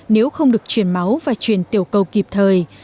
nếu không được chuyển máu và chuyển tiểu cầu kịp thời